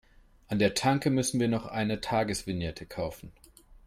An der Tanke müssen wir noch eine Tagesvignette kaufen.